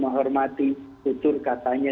menghormati tutur katanya